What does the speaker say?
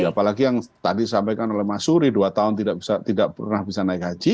apalagi yang tadi disampaikan oleh mas suri dua tahun tidak pernah bisa naik haji